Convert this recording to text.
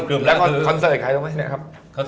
เค้าใช้ใครครับ